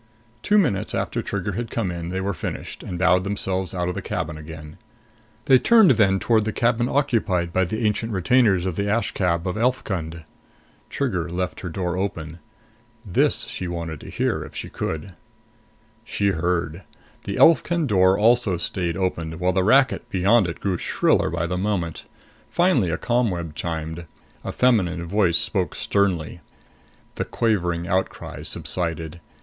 Two minutes after Trigger had come in, they were finished and bowed themselves out of the cabin again. They turned then toward the cabin occupied by the ancient retainers of the Askab of Elfkund. Trigger left her door open. This she wanted to hear, if she could. She heard. The Elfkund door also stayed open, while the racket beyond it grew shriller by the moment. Finally a ComWeb chimed. A feminine voice spoke sternly. The Quavering outcries subsided.